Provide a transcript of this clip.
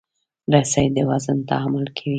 رسۍ د وزن تحمل کوي.